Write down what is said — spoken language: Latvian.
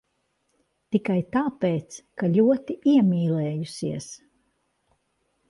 Tikai tāpēc, ka ļoti iemīlējusies.